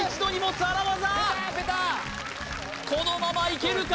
このままいけるか？